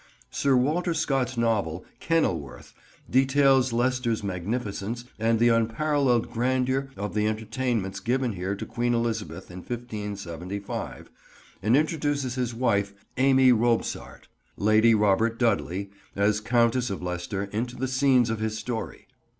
Sir Walter Scott's novel, Kenilworth, details Leicester's magnificence and the unparalleled grandeur of the entertainments given here to Queen Elizabeth in 1575, and introduces his wife Amy Robsart, Lady Robert Dudley, as Countess of Leicester into the scenes of his story.